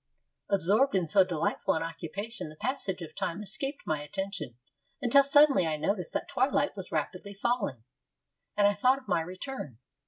Absorbed in so delightful an occupation the passage of time escaped my attention, until suddenly I noticed that twilight was rapidly falling, and I thought of my return.